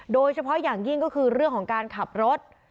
โดยเฉพาะอย่างยิ่งก็คือเรื่องของการขับรถ